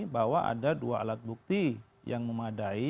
bahwa ada dua alat bukti yang memadai